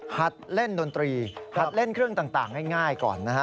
เล่นดนตรีหัดเล่นเครื่องต่างง่ายก่อนนะฮะ